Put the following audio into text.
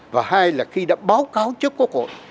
và hai là khi đã báo cáo trước quốc hội